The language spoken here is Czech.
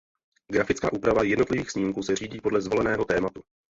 Grafická úprava jednotlivých snímků se řídí podle zvoleného tématu.